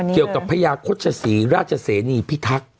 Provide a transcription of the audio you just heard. เกี่ยวกับพระยาคชษีราชเสนีพิทักษ์